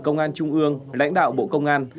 đảng ủy công an trung ương lãnh đạo bộ công an